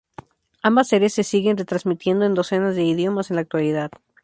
Ambas series se siguen retransmitiendo en docenas de idiomas en la actualidad.